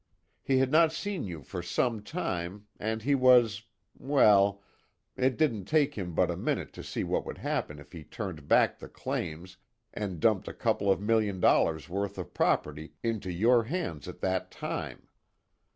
He had not seen you for some time, and he was well, it didn't take him but a minute to see what would happen if he turned back the claims and dumped a couple of million dollars worth of property into your hands at that time.